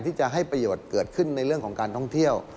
ที่จะให้ประโยชน์เกิดขึ้นในเรื่องของการท่องเที่ยว